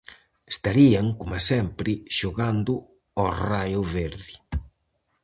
Estarían, coma sempre, xogando ao raio verde.